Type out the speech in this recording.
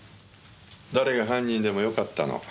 誰が犯人でもよかったの。